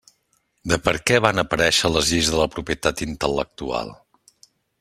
De per què van aparèixer les lleis de la propietat intel·lectual.